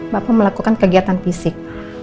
bapak melakukan kegiatan fisik